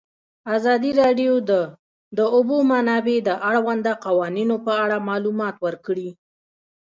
ازادي راډیو د د اوبو منابع د اړونده قوانینو په اړه معلومات ورکړي.